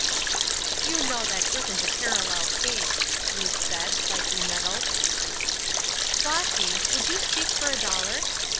"You know it isn't a parallel case," Ruth said, slightly nettled. "Flossy, would you speak for a dollar?"